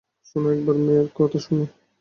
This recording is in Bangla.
শোনো একবার মেয়ের কথা শোনো!